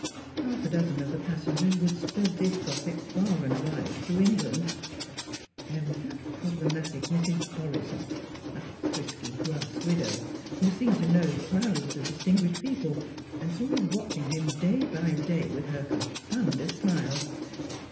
Half a dozen of the passengers would spread this gossip far and wide through England. There was that problematic Mrs. Borisoff, a frisky grass widow, who seemed to know crowds of distinguished people, and who was watching him day by day with her confounded smile!